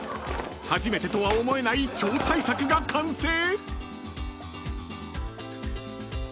［初めてとは思えない超大作が完成⁉］